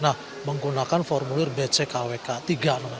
nah menggunakan formulir bckwk tiga nomornya